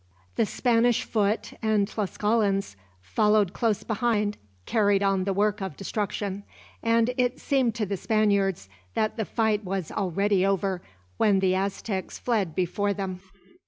The Spanish foot and Tlascalans following close behind carried on the work of destruction, and it seemed to the Spaniards that the fight was already over, when the Aztecs fled before them.